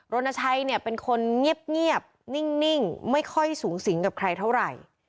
รณชัยเนี่ยเป็นคนเงียบนิ่งไม่ค่อยสูงสิงกับใครเท่าไหร่